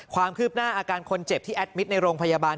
ความคืบหน้าอาการคนเจ็บที่แอดมิตรในโรงพยาบาล